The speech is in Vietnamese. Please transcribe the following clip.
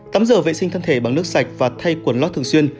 tắm giờ vệ sinh thân thể bằng nước sạch và thay quần lót thường xuyên